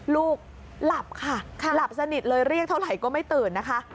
ลูกหลับค่ะหลับสนิทเลยเรียกเท่าไหร่ก็ไม่ตื่นนะคะ